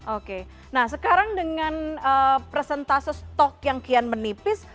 oke nah sekarang dengan presentase stok yang kian menipis